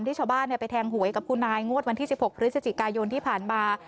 ชาวบ้านไปแทงหวยกับคุณนายงวดวันที่๑๖พฤศจิกายนที่ผ่านมา